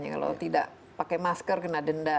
kalau tidak pakai masker kena denda